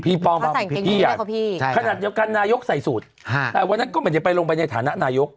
พี่ป้อมเขาพี่พี่คณะเดี๋ยวกันนายกใส่สูตรแต่วันนั้นก็เหมือนจะไปลงไปในฐานะนายก